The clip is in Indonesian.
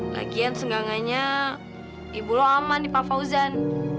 lagian sengganganya ibu lo aman di pak fauzan